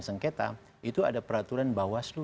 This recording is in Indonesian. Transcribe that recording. sengketa itu ada peraturan bawaslu